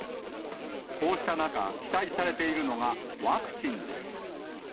こうした中、期待されているのがワクチンです。